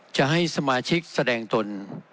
จะให้สมาชิกแสดงตน